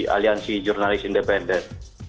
aliansi jurnalis independen